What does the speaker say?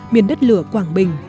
miền đất lửa quảng bình